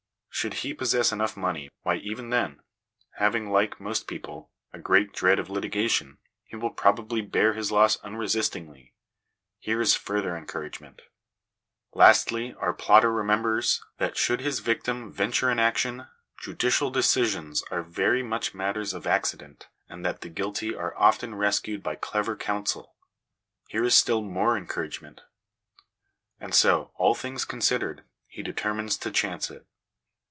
Should he possess enough money, why, even then, having, like most people, a great dread of litigation, he will probably bear his loss unresistingly : here is further encouragement. Lastly, our plotter remembers that, should his victim venture an action, judicial decisions are very much matters of accident, and that the guilty are often rescued by clever counsel: here is still more encouragement. And so, all things considered, he de termines to chance it.